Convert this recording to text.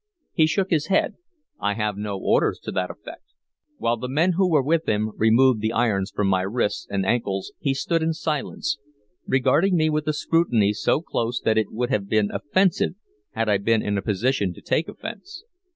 He shook his head. "I have no orders to that effect." While the men who were with him removed the irons from my wrists and ankles he stood in silence, regarding me with a scrutiny so close that it would have been offensive had I been in a position to take offense.